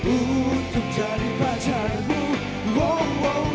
untuk cari pacarmu